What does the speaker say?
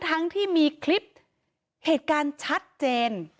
ทั้งที่มีคลิปเหตุการณ์ชัดเจน